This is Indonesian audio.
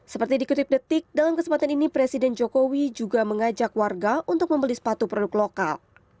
seperti dikutip detik dalam kesempatan ini presiden jokowi juga mengajak warga untuk membeli sepatu produk lokal